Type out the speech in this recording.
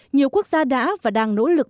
nhiều quốc gia đã và đang nỗ lực